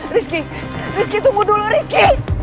rizky rizky tunggu dulu rizky